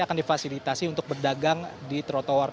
akan difasilitasi untuk berdagang di trotoar